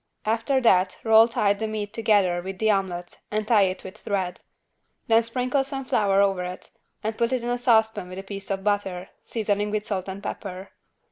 After that roll tight the meat together with the omelet and tie it with thread. Then sprinkle some flour over it and put it in a saucepan with a piece of butter, seasoning with salt and pepper.